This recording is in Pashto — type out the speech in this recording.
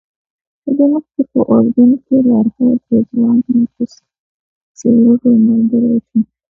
له دې مخکې په اردن کې لارښود رضوان هم په سګرټو ملګری شو.